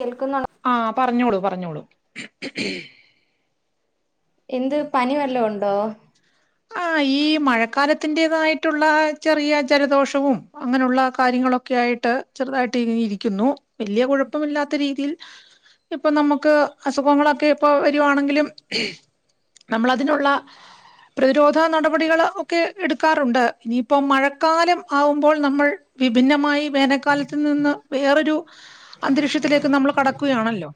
കേൾക്കുന്നു ആ പറഞ്ഞോളൂ പറഞ്ഞോളൂ എന്ത് പനി വെല്ലോ ഉണ്ടോ ആ ഈ മഴക്കാലത്തിന്റെതായിട്ടുള്ള ചെറിയ ജലദോഷവും അങ്ങനെയുള്ള കാര്യങ്ങളൊക്കെ ആയിട്ട് ചെറുതായിട്ട് ഇ ഇരിക്കുന്നു വലിയ കുഴപ്പമില്ലാത്ത രീതിയിൽ ഇപ്പൊ നമുക്ക് അസുഖങ്ങളൊക്കെ ഇപ്പൊ വരുവാണെങ്കിലും നമ്മളതിനുള്ള പ്രതിരോധ നടപടികൾ ഒക്കെ എടുക്കാറുണ്ട്. ഇനിയിപ്പോൾ മഴക്കാലം ആവുമ്പോൾ നമ്മൾ വിഭിന്നമായി വേനൽക്കാലത്ത് നിന്ന് വേറൊരു അന്തരീക്ഷത്തിലേക്ക് നമ്മൾ കടക്കുകയാണല്ലോ.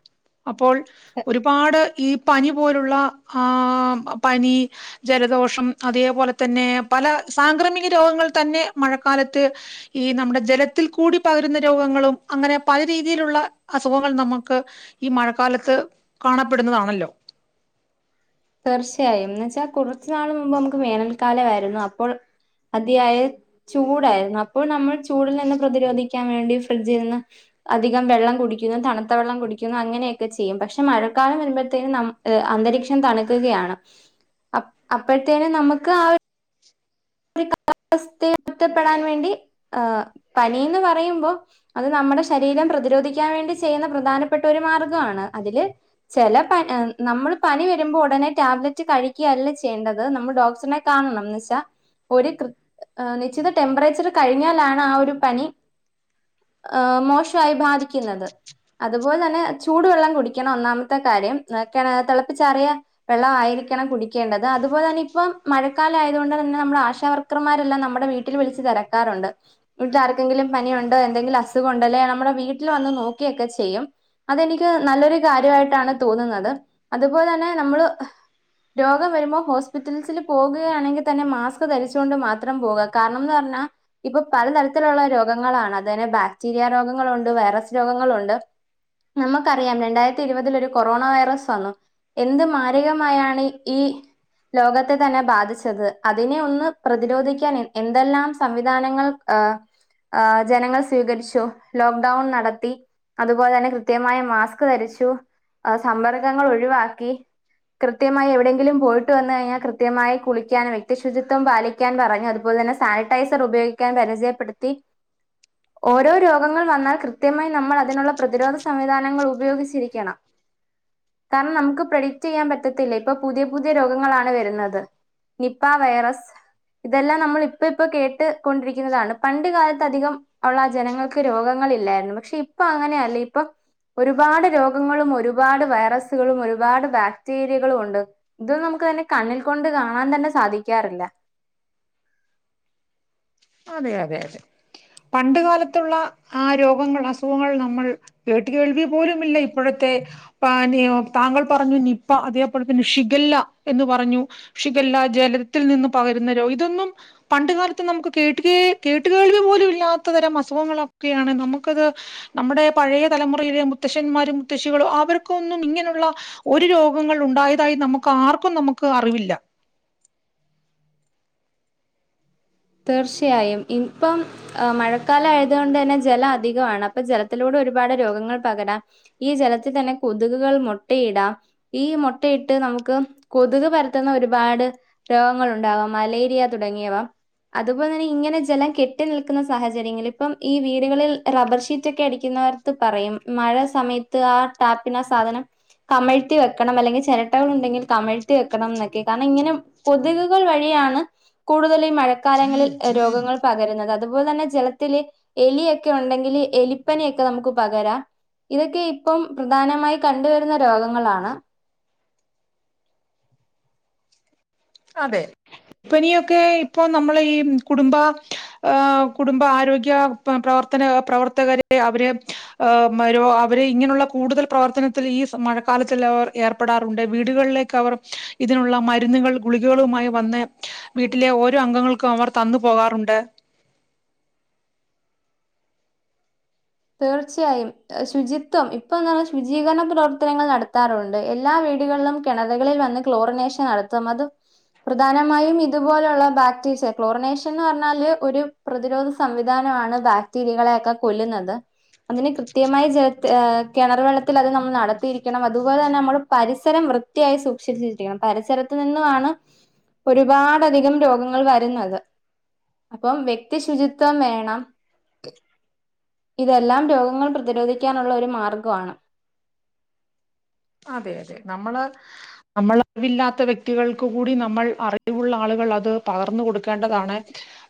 അപ്പോൾ ഒരുപാട് ഈ പനി പോലുള്ള ആഹ് പനി പ്ര ജലദോഷം അതേപോലെ തന്നെ പല സാംക്രമിക രോഗങ്ങൾ തന്നെ മഴക്കാലത്ത് ഈ നമ്മുടെ ജലത്തിൽ കൂടി പകരുന്ന രോഗങ്ങളും അങ്ങനെ പല രീതിയിലുള്ള അസുഖങ്ങൾ നമക്ക് ഈ മഴക്കാലത്ത് കാണപ്പെടുന്നതാണല്ലോ. തീർച്ചയായും ന്ന് വെച്ചാൽ കുറച്ചു നാൾ മുമ്പ് നമുക്ക് വേനൽക്കാലമായിരുന്നു അപ്പോൾ അതിയായ ചൂടായിരുന്നു അപ്പോൾ നമ്മൾ ചു ചൂടിൽ നിന്ന് പ്രതിരോധി നിക്കാനുവേണ്ടി ഫ്രിഡ്ജിൽ നിന്ന് അധികം വെള്ളം കുടിക്കുന്നു തണുത്ത വെള്ളം കുടിക്കുന്നു അങ്ങനെയൊക്കെ ചെയ്യും, പക്ഷെ മഴക്കാലം വരുമ്പോഴത്തേനും അന്തരീക്ഷം തണു ക്കുകയാണ് അപ്പ അപ്പോഴത്തേനും നമുക്ക് ആ ഒരു. കാലാവസ്ഥ ഒറ്റപ്പെടാൻ വേണ്ടി ആഹ് പനിന്ന് പറയുമ്പോ അത് നമ്മുടെ ശരീരം പ്രതിരോധിക്കാൻ വേണ്ടി ചെയ്യുന്ന പ്രധാനപ്പെട്ട ഒരു മാർഗ്ഗമാണ്, അതില് ചില പ നമ്മൾ പനി വരുമ്പോ ഉടനെ ടാബ്ലറ്റ് കഴിക്കുകയല്ല ചെയ്യേണ്ടത് നമ്മൾ ഡോക്ടറിനെ കാണണം എന്നുവെച്ചാൽ. ഒരു കൃ നിശ്ചിത ടെമ്പറേച്ചർ കഴിഞ്ഞാലാണ് ആ ഒരു പനി മോശമായി ബാധിക്കുന്നത്, അതുപോലെ തന്നെ ചൂടുവെള്ളം കുടിക്കണം ഒന്നാമത്തെ കാര്യം തിളപ്പിച്ചാറിയ വെള്ളം ആയിരിക്കണം കുടിക്കേണ്ടത്, അതുപോലെ തന്നെ ഇപ്പം മഴക്കാല ആയത് കൊണ്ട് തന്നെ നമ്മൾ ആശു ആശവർക്കർമാരെല്ലാം നമ്മുടെ വീട്ടിൽ വിളിച്ച് തിരക്കാറുണ്ട്, വീട്ടിൽ ആർക്കെങ്കിലും പനിയുണ്ടോ എന്തെങ്കിലും അസുഖം ഉണ്ടോ, അല്ലെ നമ്മുടെ വീട്ടിൽ വന്ന് നോക്കെഒക്കെ ചെയ്യും, അതെനിക്ക് നല്ലൊരു കാര്യമായിട്ടാണ് തോന്നുന്നത്, അതുപോലെ തന്നെ നമ്മള് രോഗം വരുമ്പോൾ ഹോസ്പിറ്റൽസിൽ പോകുകയാണെങ്കിൽ തന്നെ മാസ്ക്. മാസ്ക് ധരിച്ചുകൊണ്ട് മാത്രം പോകുക, കാരണം എന്ന് പറഞ്ഞാൽ ഇപ്പൊ പലതരത്തിലുള്ള രോഗങ്ങളാണ് അതെ ബാക്ടീരിയ രോഗങ്ങളുണ്ട് വൈറസ് രോഗങ്ങളുണ്ട്, നമുക്കറിയാം രണ്ടായിരത്തി ഇരുപതിൽ ഒരു കൊറോണ വൈറസ് വന്നു എന്ത് മാരകമായാണ് ഈ ലോകത്തെ തന്നെ ബാധിച്ചത് അത്. അതിന് ഒന്ന് പ്രതിരോധിക്കാൻ എന്തെല്ലാം സംവിധാനങ്ങൾ ജനങ്ങൾ സ്വീകരിച്ചു, ലോക്ക്ഡൌൺ നടത്തി അതുപോലെ തന്നെ കൃത്യമായി മാസ്ക് ധരിച്ചു, സമ്പർക്കങ്ങൾ ഒഴിവാക്കി, കൃത്യമായി എവിടെയെങ്കിലും പോയിട്ട് വന്ന കഴിഞ്ഞാൽ കൃത്യമായി കുളിക്കാൻ പ വ്യക്തി ശുചിത്വം പാലിക്കാൻ പറഞ്ഞു, അതുപോലെ തന്നെ സാനിറ്റൈസർ ഉപയോഗിക്കാൻ പരിചയപ്പെടുത്തി, ഓരോ രോഗങ്ങൾ വന്നാൽ കൃത്യമായി നമ്മൾ അതിനുള്ള പ്രതിരോധ സംവിധാനങ്ങൾ ഉപയോഗിച്ചിരിക്കണം, കാരണം നമുക്ക് പ്രഡിക്റ്റ് ചെയ്യാൻ പറ്റത്തില്ല, ഇപ്പൊ പുതിയ പുതിയ രോഗങ്ങളാണ് വരുന്നത്. നിപ്പ വൈറസ് ഇതെല്ലാം നമ്മൾ ഇപ്പ ഇപ്പൊ കേട്ട്. കൊണ്ടിരിക്കുന്നതാണ് പണ്ട് കാലത്ത്. അധികം ഉള്ള ജനങ്ങൾക്ക് രോഗങ്ങൾ ഇല്ലായിരുന്നു പക്ഷെ. ഇപ്പൊ അങ്ങനെയല്ലേ ഇപ്പൊ. ഒരുപാട് രോഗങ്ങളും ഒരുപാട് വൈറസുകളും ഒരുപാട് ബാക്ടീരിയകളും ഉണ്ട്, ഇതും നമുക്ക് തന്നെ കണ്ണിൽ കൊണ്ട് കാണാൻ തന്നെ. സാധിക്കാറില്ല അതെ അതെ അതെ പണ്ട് കാലത്തുള്ള ആ രോഗങ്ങൾ അസുഖങ്ങൾ നമ്മൾ കേട്ടുകേൾവി പോലുമില്ല ഇപ്പോഴത്തെ പാനീയം താങ്കൾ പറഞ്ഞു നിപ്പ അതേപോലെ തന്നെ ഷിഗല്ല എന്ന് പറഞ്ഞു ഷിഗല്ല ജലത്തിൽ നിന്ന് പകരുന്ന രോഗം ഇതൊന്നും പണ്ട് കാലത്ത് നമുക്ക്. കേട്ട് കേ കേട്ടു കേൾവി പോലും ഇല്ലാത്ത തരം അസുഖങ്ങളൊക്കെയാണ്, നമുക്കത് നമ്മുടെ പഴയ തലമുറയിലെ മുത്തശ്ശന്മാരും മുത്തശ്ശികളും അവർക്കൊന്നും ഇങ്ങനെയുള്ള ഒരു രോഗങ്ങൾ ഉണ്ടായതായി നമുക്ക് ആർക്കും നമുക്ക് അറിവില്ല. തീർച്ചയായും ഇപ്പം മഴക്കാലം ആയതുകൊണ്ട് തന്നെ ജലം അധികമാണ്, അപ്പൊ ജലത്തിലൂടെ ഒരുപാട് രോഗങ്ങൾ പകരാം, ഈ ജലത്തിൽ തന്നെ കൊതുകുകൾ മുട്ടയിടാം, ഈ മുട്ടയിട്ട് നമുക്ക് കൊതുക് പരത്തുന്ന ഒരുപാട് രോഗങ്ങൾ ഉണ്ടാവാം, മലേരിയ തുടങ്ങിയവ. അതുപോലെ തന്നെ ഇങ്ങനെ ജലം കെട്ടി നിൽക്കുന്ന സാഹചര്യങ്ങളിൽ ഇപ്പം ഈ വീടുകളിൽ റബ്ബർ ഷീറ്റ് ഒക്കെ അടിക്കുന്നവർത്ത് പറയും മഴ സമയത്ത് ആ ടാപ്പിനാ സാധനം കമഴ്ത്തി വെക്കണം അല്ലെങ്കിൽ ചിരട്ടകൾ ഉണ്ടെങ്കിൽ കമഴ്ത്തി വെക്കണം എന്നൊക്കെ കാരണം ഇങ്ങനെ കൊതുകുകൾ വഴിയാണ് കൂടുതലും മഴ. കാലങ്ങളിൽ രോഗങ്ങൾ പകരുന്നത്, അതുപോലെ തന്നെ ജലത്തില് എലിയൊക്കെ ഉണ്ടെങ്കിൽ എലിപ്പനിയൊക്കെ നമുക്ക് പകരാം, ഇതൊക്കെ ഇപ്പം പ്രധാനമായി കണ്ടുവരുന്ന രോഗങ്ങളാണ്. അതെ എലി പനിയൊക്കെ ഇപ്പൊ നമ്മള് ഈ കുടുംബ കുടുംബ ആരോഗ്യ പ്രവർത്തന പ്രവർത്തകരെ അവരെ അവര് ഇങ്ങനെയുള്ള കൂടുതൽ പ്രവർത്തനത്തിൽ ഈ മഴക്കാലത്തിൽ അവർ ഏർപ്പെടാറുണ്ട്, വീടുകളിലേക്ക് അവർ ഇതിനുള്ള മരുന്നുകളും. ഗുളികകളുമായി വന്ന് വീട്ടിലെ ഓരോ അംഗങ്ങൾക്കും അവർ തന്നു പോകാറുണ്ട്. തീർച്ചയായും ശുചിത്വം ഇപ്പൊ എന്ന് പറഞ്ഞാൽ ശുചീകരണ പ്രവർത്തനങ്ങൾ നടത്താറുണ്ട്, എല്ലാ വീടുകളിലും കിണറുകളിൽ വന്ന് ക്ലോറനേഷൻ നടത്തും അത് പ്രധാനമായും ഇതുപോലെയുള്ള ബാക്ടീസ് ക്ലോറനേഷൻ എന്ന് പറഞ്ഞാല് ഒരു പ്രതിരോധ സംവിധാനമാണ്, ബാക്ടീരിയകളെയൊക്കെ കൊല്ലുന്നത്. അതിന് കൃത്യമായി ചെർത് ഹ് കെണറ് വെള്ളത്തിൽ അത് നമ്മൾ നടത്തിയിരിക്കണം അതുപോലെ തന്നെ നമ്മള് പരിസരം വൃത്തിയായി സൂക്ഷിച്ചിരിക്കണം പരിസരത്തു നിന്നുമാണ് ഒരുപാട് അധികം രോഗങ്ങൾ വരുന്നത് അപ്പം വ്യക്തി ശുചിത്വം വേണം ഇതെല്ലാം രോഗങ്ങൾ പ്രതിരോധിക്കാനുള്ള ഒരു മാർഗാണ് അതെ അതെ നമ്മള് നമ്മൾ റിവില്ലാത്ത വ്യക്തികൾക്ക് കൂടി നമ്മൾ അറിവുള്ള ആളുകൾ അത് പകർന്ന് കൊടുക്കേണ്ടതാണ്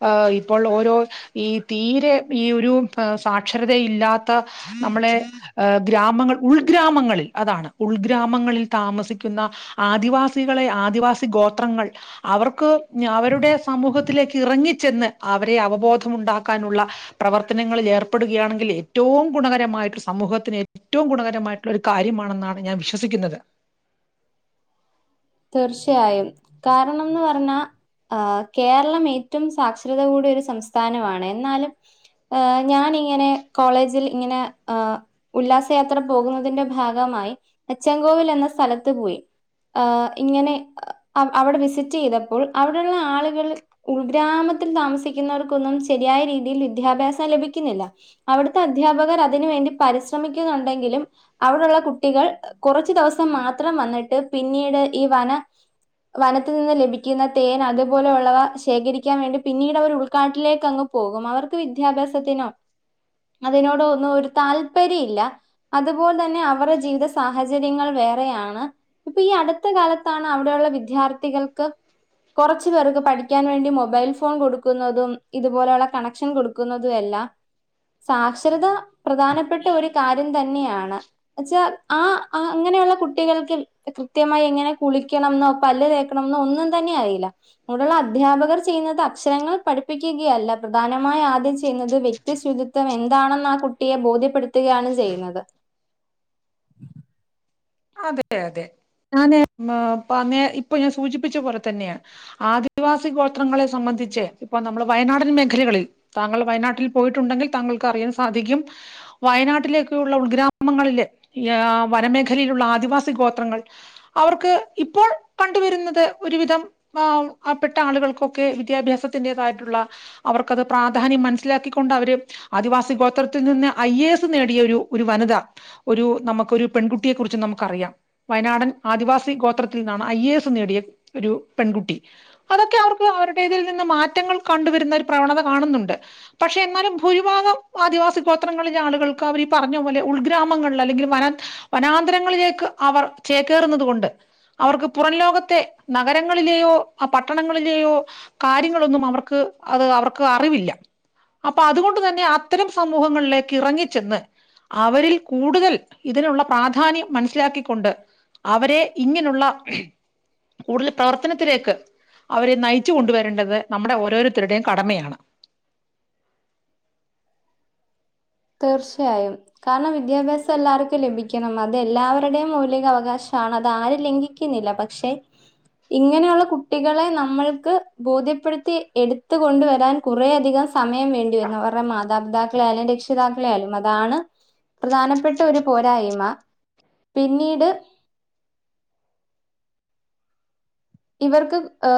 ഹ് ഇപ്പോൾ ഓരോ ഈ തീരെ ഈ ഒരു സാക്ഷരതയില്ലാത്ത നമ്മളെ ഗ്രാമങ്ങൾ ഉൾഗ്രാമങ്ങളിൽ അതാണ് ഉൾഗ്രാമങ്ങളിൽ താമസിക്കുന്ന ആദിവാസികളെ ആദിവാസി ഗോത്രങ്ങൾ അവർക്ക് അവരുടെ സമൂഹത്തിലേക്ക് ഇറങ്ങിച്ചെന്ന് അവരെ അവബോധമുണ്ടാക്കാനുള്ള പ്രവർത്തനങ്ങളിൽ ഏർപ്പെടുകയാണെങ്കിൽ ഏറ്റവും ഗുണകരമായിട്ട് സമൂഹത്തിന് ഏറ്റവും ഗുണകരമായിട്ടുള്ള ഒരു കാര്യമാണെന്നാണ് ഞാൻ വിശ്വസിക്കുന്നത് തീർച്ചയായും കാരണംന്ന് പർഞ്ഞാ ആ് കേരളം ഏറ്റവും സാക്ഷരത കൂടിയ ഒരു സംസ്ഥാ നമാണ് എന്നാലും ഞാൻ ഇങ്ങനെ കോളേജിൽ ഇങ്ങനെ ആ ഉല്ലാസയാത്ര പോകുന്നതിന്റെ ഭാഗമായി അച്ചൻകോവിൽ എന്ന സ്ഥലത്ത് പോയി അ് ഇങ്ങനെ അവ്ടെ വിസിറ്റെയ്തപ്പോൾ അവിടെള്ള ആളുകൾ ഉൾഗ്രാമത്തിൽ താമസിക്കുന്നവർക്കൊന്നും ശരിയായ രീതിയിൽ വിദ്യാഭ്യാസം ലഭിക്കുന്നില്ല അവിടുത്തെ അധ്യാപകർ അതിന് വേണ്ടി പരിശ്രമിക്കുന്നുണ്ടെങ്കിലും അവിടുള്ള കുട്ടികൾ കുറച്ച്ദിവസം മാത്രം വന്നിട്ട് പിന്നീട് ഈ വന വനത്തിൽ നിന്ന് ലഭിക്കുന്ന തേൻ അതുപോലെ ഉള്ളവ ശേഖരിക്കാൻ വേണ്ടി പിന്നീട് അവർ ഉൾക്കാട്ടിലേക്ക് അങ്ങ് പോകും അവർക്ക് വിദ്യാഭ്യാസത്തിനോ അതിനോടോ ഒന്നും ഒരു താല്പര്യ ല്ല അതുപോലെ തന്നെ അവരുടെ ജീവിത സാഹചര്യങ്ങൾ വേറെയാണ് ഇപ്പൊ ഈ അട് ത്ത് കാലത്താണ് അവിടെയുള്ള വിദ്യാർത്ഥികൾക്ക് കൊറച്ച് പേർക്ക് പഠിക്കാൻ വേണ്ടി മൊബൈൽ ഫോൺ കൊടുക്കുന്നതും ഇതുപോലെയുള്ള കണക്ഷൻ കൊടുക്കുന്നതു എല്ലാം സാക്ഷരത പ്രധാനപ്പെട്ട ഒരു കാര്യം തന്നെയാണ് ച്ചാ ആ അങ്ങനെയുള്ള കുട്ടികൾക്ക് കൃത്യമായി എങ്ങനെ കുളിക്കണം ന്നോ പല്ല് തേക്കണം ന്നോ ഒന്നും തന്നെ അറിയില്ല കൂടുള്ള അധ്യാപകർ ചെയ്യുന്നത് അക്ഷരങ്ങൾ പഠിപ്പിക്കുകയല്ല പ്രധാനമായി ആദ്യം ചെയ്യുന്നത് വ്യക്തി ശുചിത്വം എന്താണെന്ന് ആ കുട്ടിയെ ബോധ്യപ്പെടുത്തുകയാണ് ചെയ്യുന്നത് അതെ യതെ ഞാന് ഇപ്പൊ ഞാൻ സൂചിപ്പിച്ച പോലെ തന്നെ ആദിവാസി ഗോത്രങ്ങളെ സംബന്ധിച്ച് ഇപ്പൊ നമ്മള് വയനാടൻ മേഖലകളിൽ താങ്കൾ വയനാട്ടിൽ പോയിട്ടുണ്ടെങ്കിൽ താങ്കൾക്ക് അറിയാൻ സാധിക്കും വയനാട്ടിലേക്കുള്ള ഉൾഗ്രാമങ്ങളില് ഏ വനമേഖ ഖലയിലുള്ള ആദിവാസി ഗോത്രങ്ങൾ അവർക്ക് ഇപ്പോൾ കണ്ടുവരുന്നത് ഒരുവിധം പാവപ്പെട്ട ആളുകൾക്കൊക്കെ വിദ്യാഭ്യാസത്തിൻ്റെതായിട്ടുള്ള അവർക്കത് പ്രാധാന്യം മനസ്സിലാക്കിക്കൊണ്ട് അവര് ആദിവാസി ഗോത്രത്തിൽ നിന്ന് ഐ എ എസ് നേടിയ ഒരു ഒരു വനിത ഒരു നമുക്ക ഒരു പെൺകു കുട്ടിയെ കുറിച്ച് നമുക്കറിയാം വയനാടൻ ആദിവാസി ഗോത്രത്തിൽ നിന്നാണ് ഐ എ എസ് നേടിയ ഒരു പെൺകുട്ടി അതൊക്കെ അവർക്ക് അവരുടെ തിൽ നിന്ന് മാറ്റങ്ങൾ കണ്ടുവരുന്ന ഒരു പ്രവണത കാണുന്നുണ്ട് പക്ഷേ എന്നാലും ഭൂരിഭാഗം ആദിവാസി ഗോത്രങ്ങളിലെ ആളുകൾക്ക് അവർ ഈ പറഞ്ഞ പോലെ ഉൾഗ്രാമങ്ങളിൽ അല്ലെങ്കിൽ വന വനാന്തരങ്ങളിലേക്ക് അവർ ചേക്കേറുന്നത് കൊണ്ട് അവർക്ക് പുറംലോകത്തെ നഗരങ്ങളിലെയോ ആ പട്ടണങ്ങളിലേയോ കാര്യങ്ങളൊന്നും അവർക്ക് അത് അവർക്ക് അറിവില്ല അപ്പൊ അതുകൊണ്ട് തന്നെ അത്തരം സമൂഹങ്ങളിലേക്ക് ഇറങ്ങിച്ചെന്ന് അവരിൽ കൂടുതൽ ഇതിനുള്ള പ്രാധാന്യം മനസ്സിലാക്കിക്കൊണ്ട് അവരെ ഇങ്ങനുള്ള കൂടുതൽ പ്രവർത്തനത്തിലേക്ക് അവരെ നയിച്ചു കൊണ്ടുവരേണ്ടത് നമ്മുടെ ഓരോരുത്തരുടെയും കടമയാണ് തീർച്ചയായും കാരണം വിദ്യാഭ്യാസം എല്ലാവർക്കും ലഭിക്കണം അത് എല്ലാവരുടെയും മൗലികാവകാശമാണ് അത് ആരും ലംഘിക്കുന്നില്ല പക്ഷെ ഇങ്ങനെയുള്ള കുട്ടികളെ നമ്മൾക്ക് ബോധ്യപ്പെടുത്തി എടുത്ത് കൊണ്ടുവരാൻ കുറെയധികം സമയം വേണ്ടി വരുന്നു അവര്ടെ മാതാപിതാക്കളെ ആയാലും രക്ഷിതാക്കളെ ആയാലും അതാണ് പ്രധാനപ്പെട്ട ഒരു പോരായ്മ പിന്നീട് ഇവർക്ക് അ്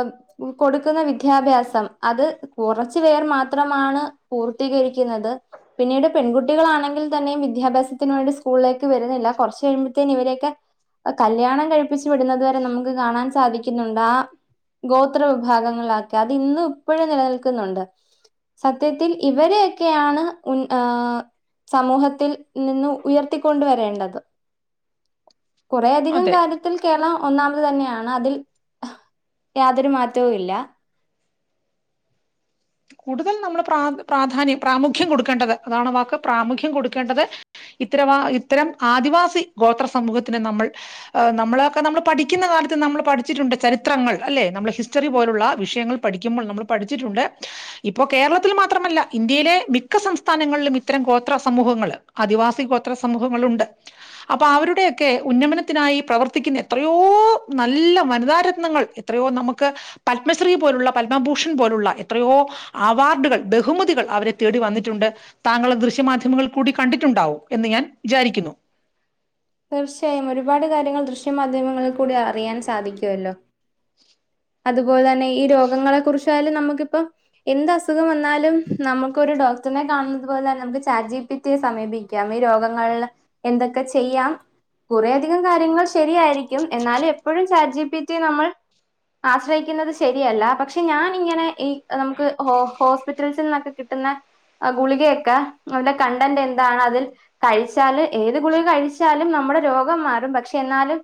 കൊടുക്കുന്ന വിദ്യാഭ്യാസം അത് കുറച്ചു പേർ മാത്രമാണ് പൂർത്തീകരിക്കുന്നത് പിന്നീട് പെൺകുട്ടികളാണെങ്കിൽ തന്നെയും വിദ്യാഭ്യാസത്തിന് വേണ്ടി സ്കൂളിലേക്ക് വരുന്നില്ല കൊറച്ച് കഴിയുമ്പോഴത്തേന് ഇവരൊക്കെ കല്യാണം കഴിപ്പിച്ച് വിടുന്നത് വരെ നമുക്ക് കാണാൻ സാധി ക്കുന്നുണ്ട് ആ ഗോത്ര വിഭാഗങ്ങളാക്ക അത് ഇന്ന് ഇപ്പോഴും നിലനിൽക്കുന്നുണ്ട് സത്യത്തിൽ ഇവരൊക്കെയാണ് ഉൻ ആ സമൂഹത്തിൽ നിന്ന് ഉയർത്തിക്കൊണ്ട് വരേണ്ടത് കുറേയധികം അതെ കാര്യത്തിൽ കേരളം ഒന്നാമത് തന്നെയാണ് അതിൽ യാതൊരു മാറ്റവും ഇല്ല കൂടുതൽ നമ്മൾ പ്രാധാന്യം പ്രാമുഖ്യം കൊടുക്കേണ്ടത് അതാണ് വാക്ക് പ്രാമുഖ്യം കൊടുക്കേണ്ടത് ഇത്തരവാ ഇത്തരം ആദിവാസി ഗോത്ര സമൂഹത്തിന് നമ്മൾ അ് നമ്മളൊക്കെ നമ്മൾ പഠിക്കുന്ന കാലത്ത് നമ്മൾ പഠിച്ചിട്ടുണ്ട് ചരിത്രങ്ങൾ അല്ലെ നമ്മൾ ഹിസ്റ്ററി പോലുള്ള വിഷയങ്ങൾ പഠിക്കുമ്പോൾ നമ്മൾ പഠിച്ചിട്ടുണ്ട് ഇപ്പോ കേരളത്തിൽ മാത്രമല്ല ഇന്ത്യയിലെ മിക്ക സംസ്ഥാനങ്ങളിലും ഇത്തരം ഗോത്ര സമൂഹങ്ങൾ ആദിവാസി ഗോത്ര സമൂഹങ്ങളുണ്ട് അപ്പൊ അവരുടെയൊക്കെ ഉന്നമനത്തിനായി പ്രവർത്തിക്കുന്ന എത്രയോ നല്ല വനിതാരത്നങ്ങൾ എത്രയോ നമുക്ക് പത്മശ്രീ പോലുള്ള പത്മഭൂഷൺ പോലുള്ള എത്രയോ അവാർഡുകൾ ബഹുമതികൾ അവരെ തേടി വന്നിട്ടുണ്ട് താങ്കളെ ദൃശ്യമാധ്യമങ്ങളിൽ കൂടി കണ്ടിട്ടുണ്ടാവും എന്ന് ഞാൻ വിചാരിക്കുന്നു തീർച്ചയായും ഒരുപാട് കാര്യങ്ങൾ ദൃശ്യ മാധ്യമങ്ങളിൽ കൂടി അറിയാൻ സാധിക്കുവല്ലോ [inaudible] അതുപോലെ ന്നെ ഈ രോഗങ്ങളെ കുറിച്ച് ക്കാലും നമുക്കിപ്പൊ എന്തസുഖം വന്നാലും നമുക്കൊരു ഡോക്ടറിനെ കാണുന്നത് പോലെ നമുക്ക് ചാറ്റ്ജീപീറ്റിയെ സമീപിക്കാം ഈ രോഗങ്ങളിൽ എന്തൊക്കെ ചെയ്യാം കുറെയധികം കാര്യങ്ങൾ ശരിയായിരിക്കും എന്നാലും എപ്പോഴും ചാറ്റ്ജീപീറ്റിയെ നമ്മൾ ആശ്രയിക്കുന്നത് ശരിയല്ല പക്ഷെ ഞാൻ ഇങ്ങനെ ഈ നമുക്ക് ഹോസ്പിറ്റൽസിൽ നിന്നൊക്കെ കിട്ടുന്ന ഗുളികയൊക്കെ നന്റെ കണ്ടന്റ് എന്താണ് അതിൽ കഴിച്ചാല് ഏത് ഗുളിക കഴിച്ചാലും നമ്മുടെ രോഗം മാറും പക്ഷെ എന്നാലും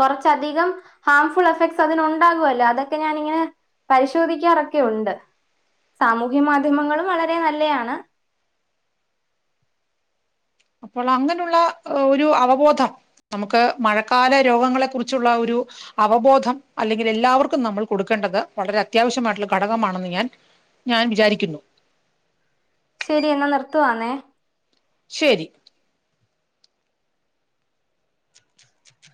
കൊറച്ചധികം ഹാംഫുൾ എഫക്ട് അതിനുണ്ടാവുല്ലോ അതൊക്കെ ഞാനിങ്ങനെ പരിശോധിക്കാറൊക്കെ ഉണ്ട് സാമൂഹ്യ മാധ്യമങ്ങളും വളരെ നല്ലയാണ് അപ്പോൾ അങ്ങനെയുള്ള ഒരു അവബോധം നമുക്ക് മഴക്കാല രോഗങ്ങളെ കുറിച്ചുള്ള ഒരു അവബോധം അല്ലെങ്കിൽ എല്ലാവർക്കും നമ്മൾ കൊടുക്കേണ്ടത് വളരെ അത്യാവശ്യമായിട്ടുള്ള ഘടകമാണെന്ന് ഞാൻ ഞാൻ വിചാരിക്കുന്നു ശരി എന്നാ നിർത്തുവാന്നേ ശെരി [inaudible]